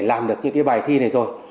để làm được những cái bài thi này rồi